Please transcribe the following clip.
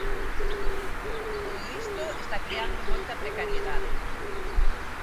Todo isto está creando moita precariedade.